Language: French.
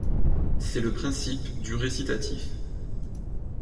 C’est le principe du récitatif.